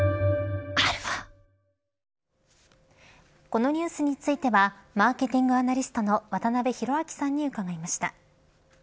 このニュースについてはマーケティングアナリストの渡辺広明さんに伺いました。